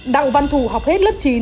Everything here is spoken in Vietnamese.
đặng văn thủ học hết lớp chín